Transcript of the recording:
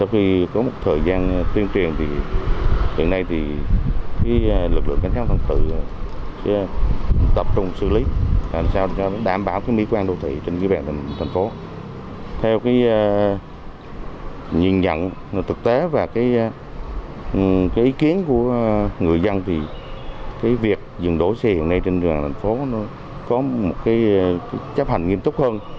việc dừng đỗ xe hiện nay trên đường thành phố có một chấp hành nghiêm túc hơn